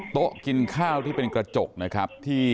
โต๊ะกินข้าวที่เป็นกระจกนะครับที่